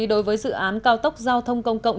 đối với dự án cao tốc giao thông công cộng